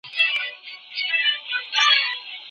ژبه پرستي مه کوئ.